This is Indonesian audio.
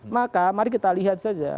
maka mari kita lihat saja